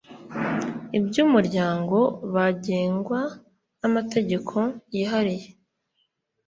iby Umuryango bagengwa n amategeko yihariye